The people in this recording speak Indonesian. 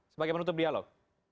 sebagai penutup dialog